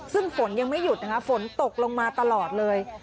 ซึ่งฝนยังไม่หยุดนะคะฝนตกลงมาตลอดเลย